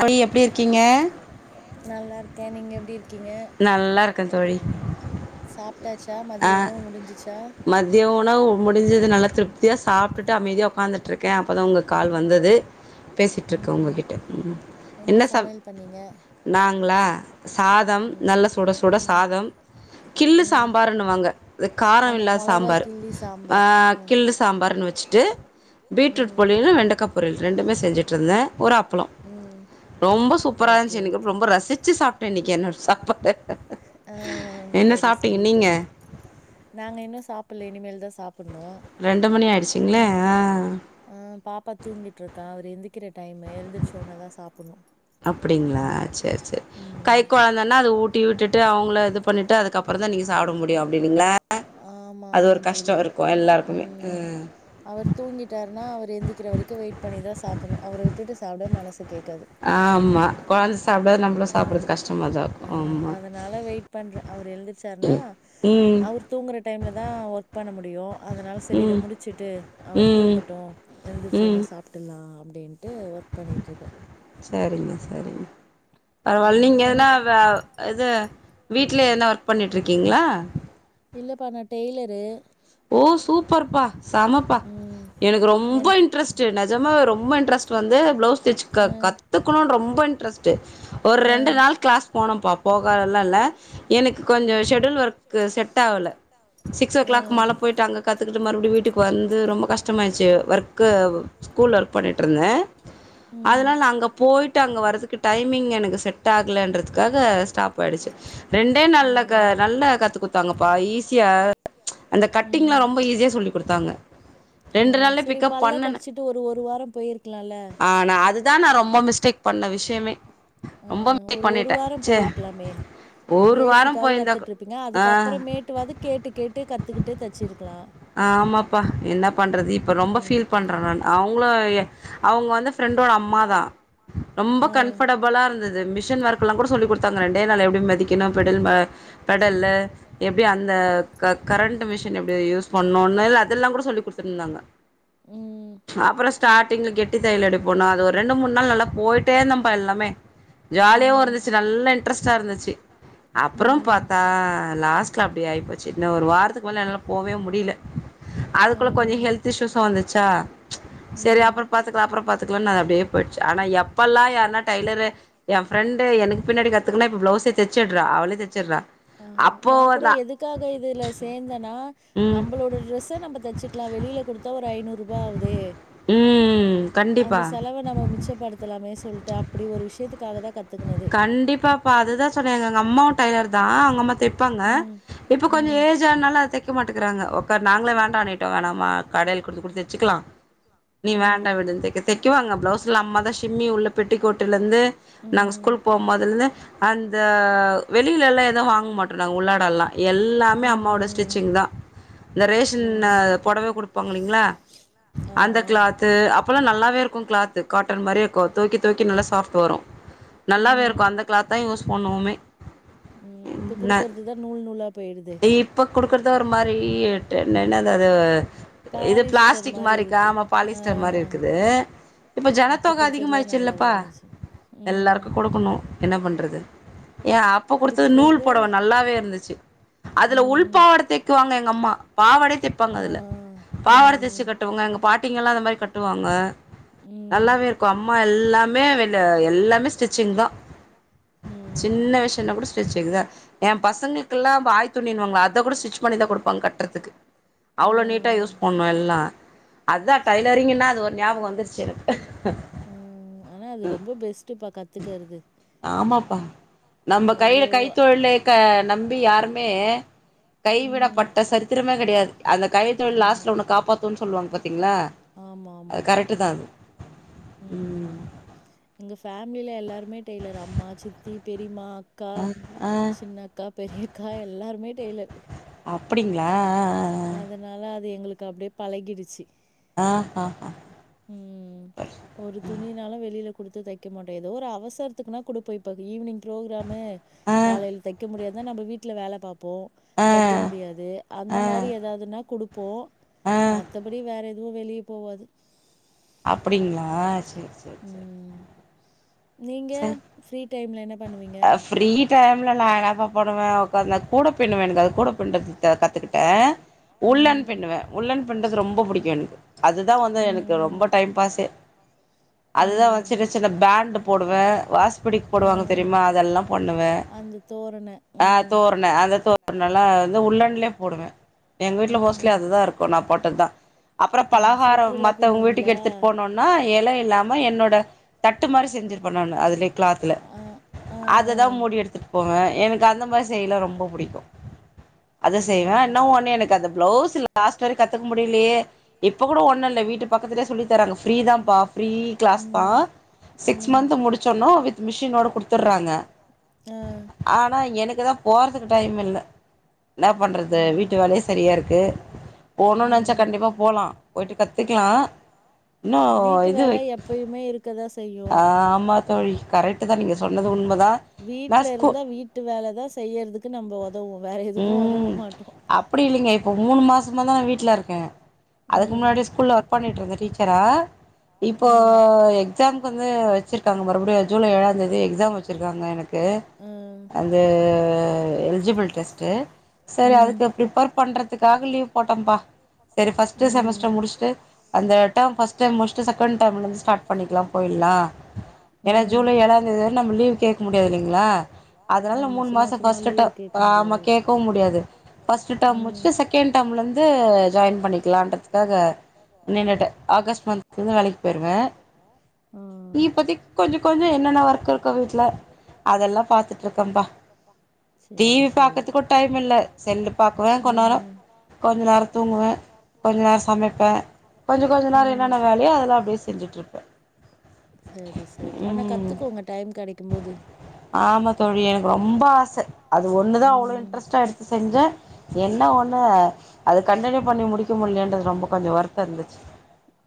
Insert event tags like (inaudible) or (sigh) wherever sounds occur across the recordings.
அவய எப்டி இருக்கீங்க த நீங்க எப்டி இரு நல்லா இருக்க தோழி அஹ் மதிய உணவு முடிஞ்சது நல்லா திருப்தியா சாப்டுட்டு ட்டு அமைதியா உட்காந்துட்டு இருக்கே அப்போதா உங்க கால் வந்தது பேசிட்டு இருக்க உங்கக்கிட்ட என்ன ச நாங்களா சாதம் நல்ல சுட சுட சாதம் கிள்ளு சாம் சாம்பாருன்னுவாங்க இது காரம் இல்லாத சாம்பார் அ கில்லு சாம்பருன்னு வச்சுட்டு பீட்ரூட் பொறியலும் வெண்டைக்காய் பொரியல் ரெண்டுமே செஞ்சுட்டுருந்த புறாப் (unintelligible) ரொம்ப சூப்பராருந்துச்சி ரொம்ப ரசிச்சு சாப்டே இன்னைக்கி என்னோட சாப்பாடு என்ன சாப்பிட்டீங்க தோழி நாங்க இன்னு சாப்பல்லே இனிமேல் தா சாப் சாப்டணு அ அ பாப்பா தூங்கிட்ருக்கா எந்திக்கிற டையமு எழுந்திரிச்சு ன்னா தா சாப்டணு ம் ஆமா ஆமா தோழி உம் அவர் தூங்கிட்டாருன்னா அவர் எழுந்திக்கிற வரைக்கு வெயிட் பண்ணிதா சாப்டணு அவர உட்டுட்டு சாப்ட சேக்க க்காது ம் அ அதனால வெயிட் பண்றே அவரு எழுந்திரிக்க ஆருத்ரா அவுரு தூங்கிய டைம்ல தா ஒர்க் பண்ண முடியு (unintelligible) அதனால் செரி இத முடிச்சுட்டு அவர் தூங்கட்டு எழுந்தருச்சோடனே சாப்ட்டலா அப்டின்ட்டு ஒர்க் பண்ணிட்டுருக் சரிங்க சரிங்க அ நீங்கலா வ இது வீட் வீட்ல என்னா ஒர்க் பண்ணிட்டு இருக்கீங்களா இல்லப்பா நா டெய்லரு ஓ சூப்பர்ப்பா சமப்பா எனக்கு ரொம்ப இன்ட்ரெஸ்ட்டு நெஜமா ரொம்ப இன்ட்ரெஸ்ட் வந்து ப்ளவுஸ் ஸ்டிச்ச கத்-கத்துக்கணுன்னு ரொம்ப இன்ட்ரெஸ்ட்டு ஒரு ரெண்டு நாள் கிளாஸ் போனோம்ப்பா போகாதலாம் இல்ல எனக்கு கொஞ்சோ ஷெடியூல் ஒர்க்கு செட் ஆகல சிக்ஸ் ஓ கிளாக் மேல போயிட்டாங்க கத்துக்குட்டு மறுபடி வீட்டுக்கு வந்து ரொம்ப கஷ்டமாயிடுச்சு ஒர்க்கு ஸ்கூல்ல ஒர்க் பண்ட்டுருந்தே அதனால அங்க போய்ட்டு அங்க வரதுக்கு டைமிங் எனக்கு செட்டாகுலன்றத்துக்காக ஸ்டாப்பாயிடுச்சு ரெண்டே நாள்ல அ நல்லா கத்துடுத்தாங்கப்பா ஈஸியா அந்த் (unintelligible) ரொம்ப ஈஸியா சொல்லிக் குடுத்தாங்க ரெண்டு நாள்ல பிக்கப் பண்ணுன ஆனா அதுதா நா ரொம்ப மிஸ்டேக் பண்ண விஷயமே ஆஹ் ஒரு ஒரு வாரோ போயிருக்கலாமே பேசிக்காவது கத்துட்டு இருப்பீங்க அதுக்கப்புறோ மேட்டுவது கேட்டு கேட்டு கத்துக்கிட்டே தச்சிருக் ஆமாப்பா என்ன பண்றது இப்ப ரொம்ப பீல் பண்றே நானு அவு அவுங்க அவுங்க வந்து ஃப்ரெண்டோட அம்மா தா ரொம்ப கம்ஃபர்டபுளா இருந்தது மிஷ் மிஷின் ஒர்க்கெல்லா கூட சொல்லி கொடுத்தாங்க ரெண்டே நாள் எப்டி மிதிக்கணு பெடல் அ ஒடல்ல எப்பிடி அந்த கரண்ட் மிஷின் எப்டி யூஸ் பண்ணு ஒன்னு இல்ல அதெல்லாம் கூட சொல்லி குடுத்துருந்தாங்க அப்புற ஸார்டிங்கல கெட்டி தல அடி போனோ அ ஒரு ரெண்டு மூணு நாள் நல்ல போயிட்டு எல்லமே ஜாலியும் இருந்துச்ச நல்ல இன்ரஸ்டா இருச்சு அப்புறம் பாத்தா லாஸ்ட்ல அப்படி ஆய் போச்சு ஒரு வாரத்துக்கு மேல போவே முடிய அதுக்குள்ள கொஞ்சோ ஹல்த் இஸ்சுசு வந்துச்சா செரி அப்புற பாத்துக்கலா அப்புற பாத்துக்கலானு அது அப்டியே போய்டுச்சு ஆனா எப்பெல்லா யார்னா ம் நா கூட எதுக்காக இதுல சேந்தேனா நம்மளோட ட்ரெஸ்ஸ நம்ம தைச்சுக்கலா வெளியில குடுத்தா ஒரு ஐநூறு ரூபாய் ஆகுது அந்த செலவ நம்ம மிச்சப்படுத்தலாமே சொல்லிட்டு அப்டி ஒரு விஷயத்துக்கு கண்டிப்பாப்பா அதுதா சொன்னேன் எங்க எங்க அம்மாவு டைலர் தா அங்கம்மா தெப் இருப்பாங்க இப்ப கொஞ்சோ ஏஜ் ஆன்னால அத தைக்க மாட்டேங் இருக்கறாங்க உக்கரு நாங்களே வேண்டாமட்டோ வேணாம்மா கடையில் குடுத்து குடுத்து தெச்சுக்கலா நீ வேண்டா விடனு தைக்குவாங்க பிளவுஸ் சில அம்மா தா சிம்மி உள்ள பெட்டிக்கோட்டுலருந்து நாங்க ஸ்கூல்கு போகும்போதுலேந்து அந்த வெளியில எல்லா எது வாங்க மாட்டோ நாங்க உள்ளாடல்லா எல்லாமே அம்மாவோட ஸ்டிச்சிங் தா இந்த ரேஷன் போடவ குடுப்ப போங்ளீங்களா அந்த க்ளாத்து அப்பெல்லா நல்லாவே இருக்கு கிளாத் காட்டன் மாரியே இருக்கு தொவைக்க தொவைக்க நல்லா சாப்ட்டு வரும் நல்லாவே இருக்கு அந்த கிளாத் தா யூஸ் பண்ணுவோமே நா இப்ப குடுக்குறது ஒரு மாரி அதாது இது பிளாஸ்டிக் மாரிக்கா ஆமா பாலிஸ்டர் மாரி இருக்குது‌ இப்ப ஜனத்தொக அதிகமாயிடுச்சுல்லப்பா எல்லாருக்கு குடுக்கணு என்ன பண்றது ஏ அப்ப குடுத்தது நூல் பொடவ நல்லாவே இருந்துச்சு அதுல உள்பாவாட தெக்குவாங்க எங்க அம்மா பாவடயே தெப்பாங்க அதுல பாவாட தெச்சு கட்டுவங்க எங்க பாட்டி ல்லாம் இந்த மாரி கட்டுவாங்க நல்லாவே இருக்கு அம்மா எல் எல்லாமே வெள எல்லா மே ஸ்டிச்சிங் தா சின்ன விஷியம் னா கூட ஸ்டிச்சிங் தா எ பசங்களுக்குல்லா ஆய் துணிண்ணுவாங்ள அ த கூட ஸ்டிச் பண்ணி தா குடுப்பாங்க கட்றதுக்கு அவ்ளோ நீட்டா யூஸ் பண்ணோ எல்லா அதா டைலரிங்குன்னா அது ஒரு ஞாபக வந்துருச்சு எனக்கு ம் ஆமாப்பா நம்ம கைல கைத்தொழிலு க நம்பி யாருமே கைவிடப்பட்ட சரித்திரமே கெடையாது அந்த கை தொழில் லாஸ்ட்ல உன்ன காப்பாத்துன் சொல்வாங்க பாத்திங்ளா அது கரெக்ட்டுதா எங்க ஃபேமிலில எல்லாரு மே டெய்லர் அம்மா சித்தி பெரிமா அக்கா சின்னக்கா பெரியக்கா எல்லாருமே டெய்லர் அப்டிங்ளா ஆ ஆ எனக்கு அப்டியே பழகிடுச்சு ஆ ஹா ஹா ம் ஒரு துணினாலு வெளில கொடுத்து தைக்க மாட்டே ஏதோ குடுத்து தெக்கமாட்டோ எதோ ஒரு அவசரத்துக்குனா குடுப்போ இப்ப ஈவ்னிங் ப்ரோக்ராமு காலைல தெக்க முடியாது அதா நம்ம வீட்ல வேல பாப் போ தெக்க முடியாது அந்த மாரி எதாவுதுனா குடுப் போ மத்தபடி வேற எது வு வெளிய போவாது அப்டிங்களா சேர் சேர் சேர் நீங்க ஃப்ரீ டைம்ல என்ன பண்ணுவிங்க டைம்ல நா என்னாபா பண்ணுவ உக்காந்து கூட பின்னுவ எனக்கு அது கூட பின்றதுத் அ கத்துகிட்ட உள்ளன் பின்னுவ உள்ளன் பின் றது ரொம்ப புடிக்கு எனக்கு அதுதா வந்து எனக்கு ரொம்ப டைம்பாசே அதுதா வந் சின்ன சின்ன பேண்டு போடுவ வாசப்பிடிக் போடுவாங்க தெரி மா அதெல்லா பண்ணுவ ஆ தோரண அந்த தோரணெலா வந்து உள்ளன்ல போடுவ எங்க வீட்ல மோஸ்ட்லி அதுதா இருக்கு நா போட்டதா அப்ற பலகார மத்தவுங் வீட்டுக் எடுத்துட் போனோன்னா எலை இல்லாம என்னோட தட்டு மாரி செஞ்சுருப்ப நானு அதுலே க்ளாத்ல அததா மூடி எடுத்துட் போவ எனக்கு அந்த மாரி செய்யலா ரொம்ப புடிக்கு அது செய்வ இன்ன ஒண்ணு எனக்கு அந்த பிளவுசு லாஸ்ட் வர கத்துக்க முடிலியே இப்ப கூட ஒண்ணு இல்ல வீட்டு பக்கத்துலயே சொல்லி தராங்க ஃப்ரீதாம்ப்பா ஃப்ரீ க்ளாஸ்தா சிக்ஸ் மன்த் முடிச்சர்னு வித் மிஷினோட குடுத் ர்றாங்க ஆனா எனக்குதா போறதுக் டைம் இல்ல இன்னா பண்றது வீட்டு வேலைனயே சரியாருக்கு போணுனு நென்ச்சா கண்டிப்பா போலா போயிட்டு கத்துக்லா இன்னு இது அ-ஆமா தோழி கரைட்டுதா உம் வீட்ல இருந்தா வீட்டு வேலதா செய்யற்துக்கு நம்போ உதவுவோ வேற எதுக்கு உதவ மாட்டோ சும்மாதான வீட்லருக்க அதுக்கு முன்னாடி ஸ்கூல்ல ஒர்க் பண்ணிட்டுருந் டீச்சரா இப்போ எக்ஸாம் வந்து வச்சிருக்காங் மறுப்டியு ஜூலை ஏழாந் தேதி எக் க்ஸாம் வச்சிருக்காங்க எனக் கு அந்த எல்ஜிபிள் டெஸ்ட்டு சரி அதுக்கு ப்ரிப்ரேர் பண்றதுக்காக லீவ் போட்டம்ப்பா செரி பஸ்ட்டு செமஸ்டர் முடிஷ்டு அந்த டேம் பஸ்ட் டேம் முஷ்டு செகண்ட் டேம்லருந்து ஸ்டாட் பண்ணிக்லா போய்லா ஏனா ஜூலை ஏழாந்தேதி நம்ம லீவ் கேக்க முடியாது இல்லிங்ளா அதனால மூணு மாசோ பஸ்டு ட ஆமா கேக்கவும் முடியாது ம் அ சேரி சேரி செல்லு பாக்குவ கொஞ்நேரோ கொஞ்ச நேர தூங்குவ கொஞ்ச நேர சமைப்ப கொஞ்ச கொஞ்ச நேர என்னென்ன வேலையோ அதெலா அப்டியே செஞ்சுட்ருப்ப உம் ஆமா தோழி எனக்கு ரொம்ப ஆச அது ஒண்ணுதா அவ்ளோ இன்ட்ரஸ்ட்டா எடுத்து செஞ்ச என்ன ஒண்ணு அது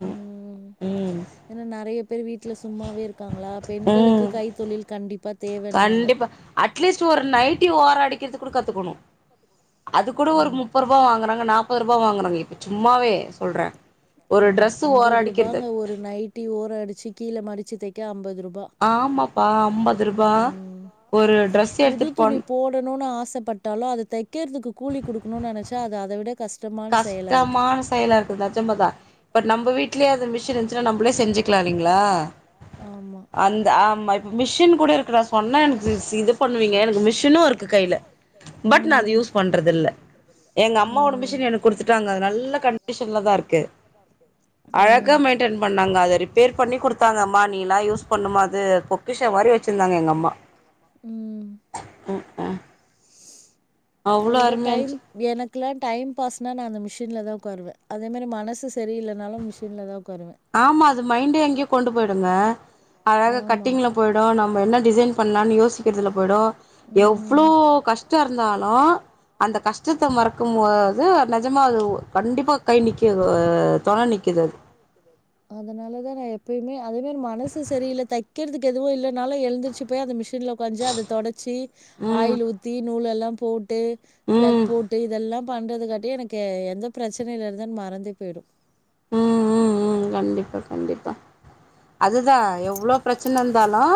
உம் ஏனா நெறையப் பேர் வீட்ல சும்மாவேருக்காங்களா பெண்களுக்குக் கைத்தொலில் கண்டிப்பாத் தேவன்வாங்க அட்லீஸ்ட் ஒரு நைட்டி ஓரடிக்கிறத்துக் கூடுக் கத்துக்குணும் அதுக் கூடு ஒரு முப்பருபா வாங்குறாங்க நாப்பருபா வாங்குறாங்க இப்பச் சும்மாவே ஒல்றேன் ஆமா அம்பதுருபாங்க ஒரு நைட்டி ஓரஅடிச்சுக் கீல மடிச்சுத் தைக் க்க அம்பது ஆமாப்பா அம்பத்ருபா ஒரு ட்ரெஸ் எடுத்துட்டு போன் ஆசப்பட்டாலோ அதத் தக்கர்துக்குக் கூலிக் குடுக்குணுனு நெனச்சா அது அதவிட கஸ்டமான செயலாருக்குரதாச்சோம்பதா (unintelligible) பட் நம்ப வீட்ல லையே அந்த மிஷினிருந்ச்சுன்னா நம்பளே செஞ்சுக்லால்லைங்ளா அந்த ஆமா இப் மிஷ்ஷினு க்கூடருக்கிற சொன்ன எனக்ஸ்ஸ் இதுப் பண்ணுவீங்க எனக்கு மிஷ் (unintelligible) ம் ம் ஆன் உம் அதுதா டைம் எனக்லா டைம் பாஸ்னாநா அந்த மிஷ் ன்லதா உக்காருவேன் அதேமேரி மனசு சரியில்லன்னாலும் மிஷின்லதா உ ஆமா அது மைண்ட எங்கயோக் கொண்டுப் போயிடுங்க அழகாக் கட்டிங்லப் போயிடும் நம்ப என்ன டிஸைன் ம் அதனாலதான் நா எப்பயுமே அதேமாரி மனசு சரியில்ல தக்கறதுக்கு எதுவு இல்லனாலும் எழுந்திருச்சுப்போய் அது மிஷ் ல உக்காஞ்சி அதத் தொடச்சி ஆயில் ஊத்தி நூலெல்லா ப்போட் ட்டு ஃப்ளக் போட்டு இதெல்லா பண்றதுக்கட்டியும் எனக்கு எந்தப் பிரச்சனைலருந்தன் மறந்தேப் போயிடும் ம் ம் ம் கண்டிப்பக் கண்டிப்பா அதுதா எவ்ளோப் பிரச்சனந்தாலும்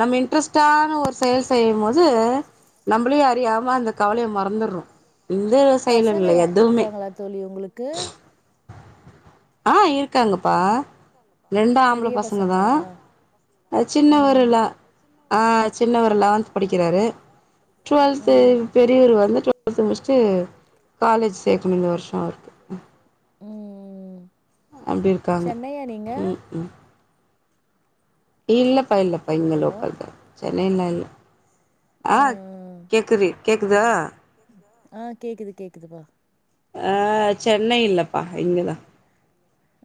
நம்ம இன்ட்ரெஸ்டான ஒரு செயல் செய்யும்மோது நம்பளையே அறியாம அந்த கவலைய மறந்துற்றோ பசங்க ய இருக்காங்களா தோழி உங்ளுக்கு அ இருக்காங்கப்பா ரெண்டு ஆம்ப்ள பசங்க தா அது சின்ன வருலா ஆ சின்னவரு லெவன்த் படிக்கிறாரு டுவெல்த்து பெரியவரு வந்து (unintelligible) (unintelligible) காலேஜ் சேக்கனு இந்த வருஷோ அவர்க்கு ம் அப்டி இருக்காங்க உம் உம் இல்லப் பா இல்லப்பா இங்க லோக்கல் த சென்னைனால்ல ஆ கேக்குது கேக்குதா ஆ கேக்குது கேக்குதுபா அ சென்னை இல்லப்பா இங்கதா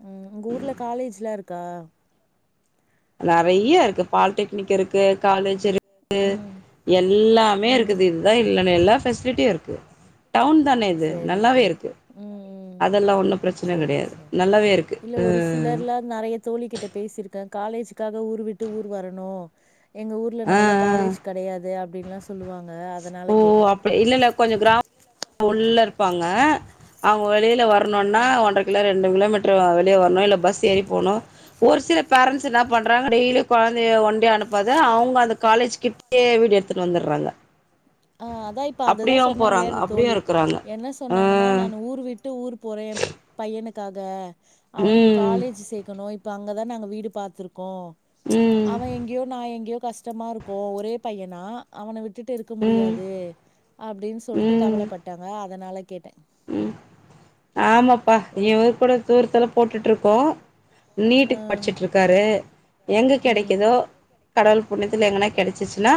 ம் உம் உங்க ஊர்ல காலேஜ்லா இருக் கா நெறைய்ய இருக்கு பாலிடெக்னிக் இருக்கு காலேஜ் இருக் கு எல்லாமே இருக்குது இதுதா இல்லனு எல்லா ஃபெஸ் திட்டியா இருக்கு செரி செரி ம் செரி செர் இல்ல ஒரு சிலர்லா நெறைய தோழி கிட்ட பேசிருக்கே காலேஜ்க்காக ஊர் விட்டு ஊர் வரணோ எங்க ஊர்ல நல்ல காலேஜ் கெடையாது அப்டின்லா சொல்லுவாங்க அதனால கேட்டே பாங்க அவுங் க வெளியில வரனோன்னா ஒன்ற கிலோ ரெண்டு கிலோமீட் டர் வெளியே வர்ணு இல்ல பஸ் ஏறி போனோ ஒரு சில பேரன்ட்ஸ் என்ன பண்றாங்க டெய்லி கொழைந்தைய ஒன்டியா அனுப்பாத அவுங் வுங்க அந்த காலேஜ்கிட்டே வீடு எடுத்துட்டு வந்துறாங்க ஆ அதா இப்ப அதுதா சொன்னாங்களே அந்த தோழி என்ன சொன்னாங்கன்னா நானு ஊர் விட்டு ஊர் போறே பையனுக்காக அவனுக்கு காலேஜ் சேக்கணூ இப் இப்போ அங்கதா நாங்க வீடு பாத்துருக்கோ அவ எங்கியோ நா எங்கியோ கஷ்டமாருக்கூ ஒரே பையனா அவன விட்டுட்டு கு முடியாது அப்டின் சொல்டு கவலப்பட்டாங்க அத்னாலக் கேட்டே ம் ஆமாப்பா இவங்க கூட தூர்த்துல போட்டுட்ருக்கோ நீட்டுக் படிச்சிட்ருக்காரு எங்க கெடைக்கிதோ கடவுள் புண்ணியத்துல எங்கனா கெடச்சிச்சின்னா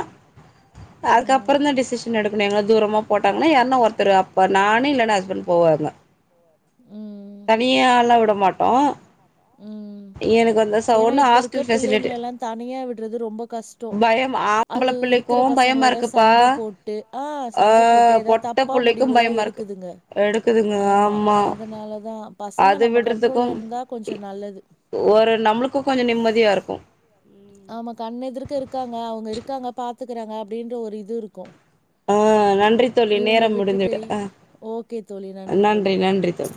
அதுக்கப்பறந்தா டிசிஷன் எடுக் ங்கனா தூரமா போட்டாங்கன்னா யார்னா ஒர்த்தரு அப் நானு இல்லனா ஏ ஹஸ் பண்ட் போவாங்க தனியால்லா விட மாட்டோ எனக்கு அந்த ச ஒன்னு ஹாஸ்டல் ஃபெசிலிட்டி பயம் ஆம்பள பிள்ளைக்கோ பயமாருக்குப்பா ஆ பொட்ட புள்ளைக்கு பயமாருக்கு எடுக்குதுங்க ஆம்மா அது விட்றதுக்கூ ஒரு நம்ளுக்கூ கொஞ்ச நிம்மதியாருக்கூ ஆம்மா கண்ணெதுர்க்க இருக்காங்க அவ்ங்க இருக்காங்க பாத்துக்குறாங்க அப்டின்ற ஒரு இது இருக்கோ ஆ நன்றி தோழி நேரம் முடிந்தது அ நன்றி நன்றி தோ